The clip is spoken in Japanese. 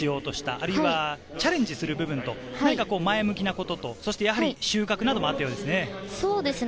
あるいはチャレンジする部分、何か前向きなことと、やはり収穫などもあったようですね。